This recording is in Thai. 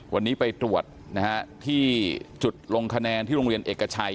วันนี้ไปตรวจที่จุดลงคะแนนที่โรงเรียนเอกชัย